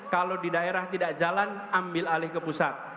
kalau di daerah tidak jalan ambil alih ke pusat